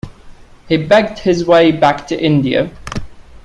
He begged his way back to India.